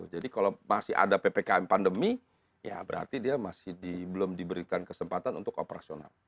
jadi kalau masih ada ppkm pandemi ya berarti dia masih belum diberikan kesempatan untuk operasional